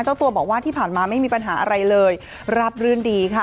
เจ้าตัวบอกว่าที่ผ่านมาไม่มีปัญหาอะไรเลยราบรื่นดีค่ะ